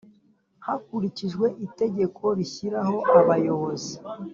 hakurikijwe itegeko rishyiraho abayobozi